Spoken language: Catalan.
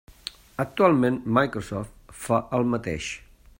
Actualment, Microsoft fa el mateix.